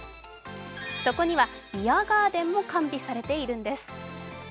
そこにはビアガーデンも完備されているんです。